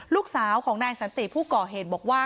ลูกสาวของนายสันติผู้ก่อเหตุบอกว่า